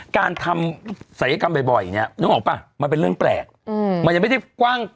การทำศัลยกรรมบ่อยเนี่ยนึกออกป่ะมันเป็นเรื่องแปลกมันยังไม่ได้กว้าง